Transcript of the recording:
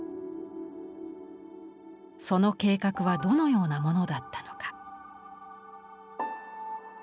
その計画はどのようなものだったのか。